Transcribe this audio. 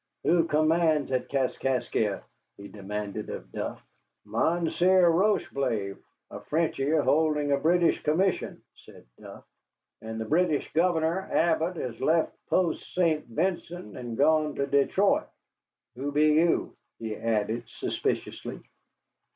"Who commands at Kaskaskia?" he demanded of Duff. "Monseer Rocheblave, a Frenchy holding a British commission," said Duff. "And the British Governor Abbott has left Post St. Vincent and gone to Detroit. Who be you?" he added suspiciously.